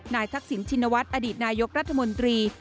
ทักษิณชินวัฒน์อดีตนายกรัฐมนตรี